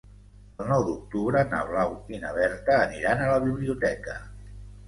El nou d'octubre na Blau i na Berta aniran a la biblioteca.